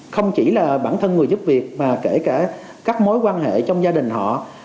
không chỉ là bản thân người giúp việc mà kể cả các mối quan hệ trong gia đình họ